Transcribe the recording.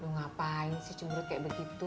lu ngapain sih cenderet kayak begitu